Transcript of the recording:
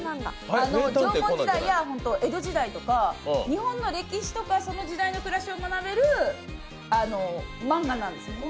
縄文時代や江戸時代とか日本の歴史とかその時代の暮らしを学べるマンガなんです。